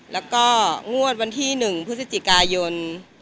แล้วก็งวดวันที่๑พฤศจิกายน